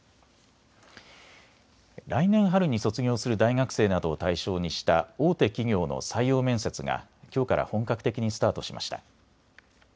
来年春に卒業する大学生などを対象にした大手企業の採用面接がきょうから本格的にスタートしました。